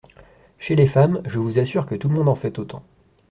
Chez les femmes, je vous assure Que tout le monde en fait autant …